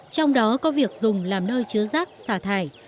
trong đó có việc dùng làm nơi chứa rác xả thải